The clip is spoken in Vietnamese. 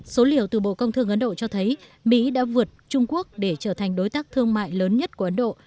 số liệu từ bộ công thương ấn độ cho thấy mỹ đã vượt trung quốc để trở thành đối tác thương mại lớn nhất của ấn độ